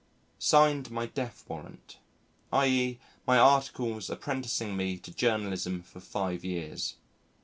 Signed my Death Warrant, i.e., my articles apprenticing me to journalism for five years.